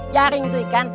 jaring itu ikan